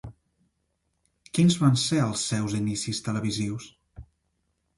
Quins van ser els seus inicis televisius?